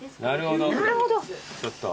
なるほど。